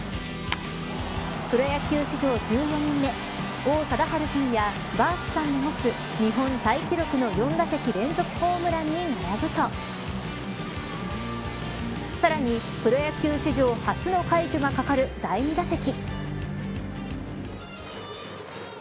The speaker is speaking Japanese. プロ野球史上１４人目王貞治さんや、バースさんが持つ日本タイ記録の４打席連続ホームランに並ぶとさらにプロ野球史上初の快挙がかかる第２打席。